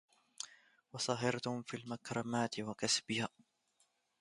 وسهرتم في المكرمات وكسبها